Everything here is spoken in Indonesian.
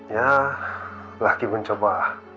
ya lagi mencoba